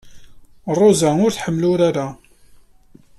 Ṛuza ur tḥemmel urar-a.